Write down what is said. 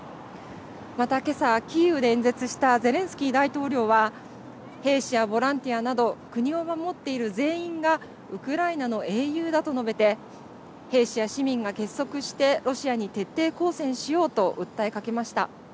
また、今朝キーウで演説したゼレンスキー大統領は兵士やボランティアなど国を守っている全員がウクライナの英雄だと述べて兵士や市民が結束してロシアに徹底抗戦しようと訴えかけました。